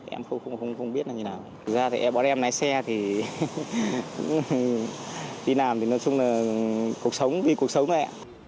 em không biết là như nào thực ra thì em bỏ đem lái xe thì đi làm thì nói chung là cuộc sống đi cuộc sống thôi ạ